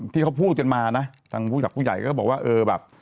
ที่เขาพูดกันมานะทางผู้ใหญ่ก็บอกว่า